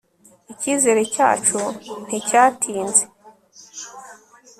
icyizere cyacu nticyatinze